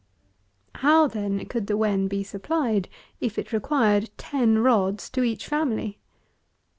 How, then, could the Wen be supplied, if it required ten rods to each family?